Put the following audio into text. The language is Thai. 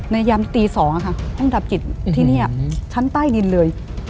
ยำตี๒ค่ะห้องดับจิตที่นี่ชั้นใต้ดินเลย